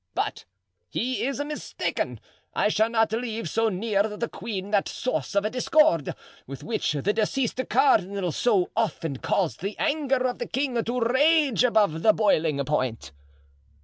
But he is mistaken; I shall not leave so near the queen that source of discord with which the deceased cardinal so often caused the anger of the king to rage above the boiling point."